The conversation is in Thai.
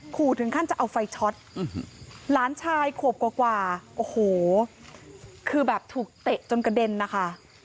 ขู่ถึงขั้นจะเอาไฟช็อตหลานชายขวบกว่าโอ้โหคือแบบถูกเตะจนกระเด็นนะคะ